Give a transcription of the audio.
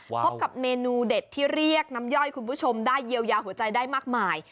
พบกับเมนูเด็ดที่เรียกน้ำย่อยคุณผู้ชมได้เยียวยาหัวใจได้มากมาย